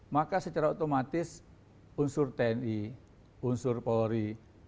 maka secara otomatis unsur tni unsur polri